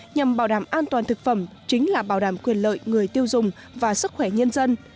nhằm bảo đảm an toàn thực phẩm chính là bảo đảm quyền lợi người tiêu dùng và sức khỏe nhân dân